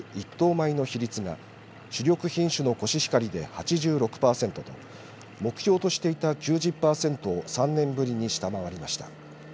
米の比率が主力品種のコシヒカリで８６パーセントと目標としていた９０パーセントを３年ぶりに下回りました。